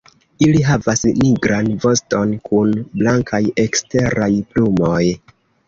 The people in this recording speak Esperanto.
Ili havas nigran voston kun blankaj eksteraj plumoj.